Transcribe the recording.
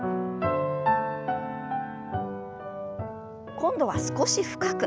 今度は少し深く。